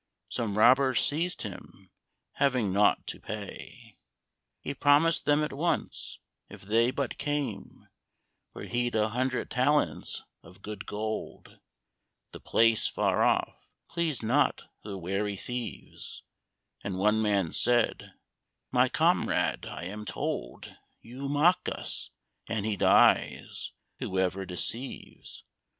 Some robbers seized him. Having nought to pay, He promised them at once, if they but came Where he'd a hundred talents of good gold. The place, far off, pleased not the wary thieves; And one man said, "My comrade, I am told You mock us; and he dies, whoe'er deceives.